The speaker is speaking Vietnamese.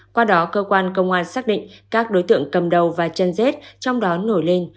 qua đó cơ quan công an xác định các đối tượng cầm đầu và chân dết trong đó nổi lên